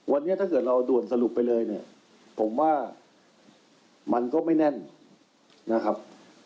วันนี้ถ้าเกิดเราด่วนสรุปไปเลยเนี่ยผมว่ามันก็ไม่แน่นนะครับ